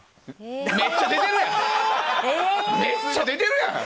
めっちゃ出てるやん！